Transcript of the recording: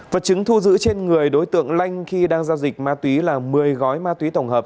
vật chứng thu giữ trên người đối tượng lanh khi đang giao dịch ma túy là một mươi gói ma túy tổng hợp